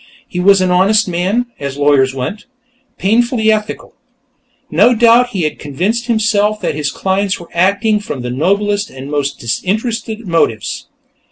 He was an honest man, as lawyers went; painfully ethical. No doubt he had convinced himself that his clients were acting from the noblest and most disinterested motives.